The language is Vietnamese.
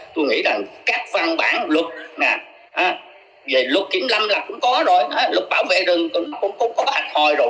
tôi nghĩ rằng các văn bản luật nè về luật kiểm lâm là cũng có rồi luật bảo vệ rừng cũng có bác hội rồi